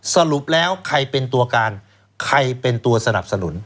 สรุปแล้วใครเป็นตัวการใครเป็นตัวสนับสนุน